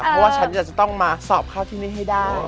เพราะว่าฉันจะต้องมาสอบเข้าที่นี่ให้ได้